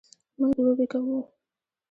مونږ لوبې کوو